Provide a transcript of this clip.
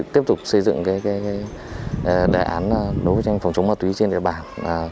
tiếp tục xây dựng đề án đấu tranh phòng chống ma túy trên địa bàn